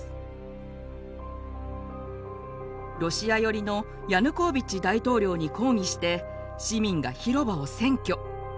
ロシア寄りのヤヌコービッチ大統領に抗議して市民が広場を占拠。